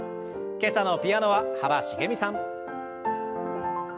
今朝のピアノは幅しげみさん。